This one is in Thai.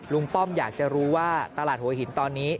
ป้อมอยากจะรู้ว่าตลาดหัวหินตอนนี้